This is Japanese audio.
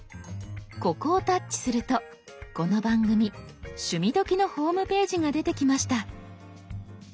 ここをタッチするとこの番組「趣味どきっ！」のホームページが出てきました。